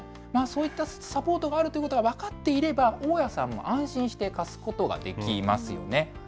そういったサポートがあるということが分かっていれば、大家さんも安心して貸すことができますよね。